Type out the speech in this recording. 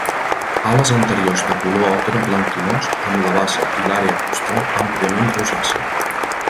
Ales anteriors de color ocre blanquinós amb la base i l'àrea costal àmpliament rosaci.